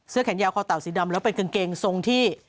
แขนยาวคอเต่าสีดำแล้วเป็นกางเกงทรงที่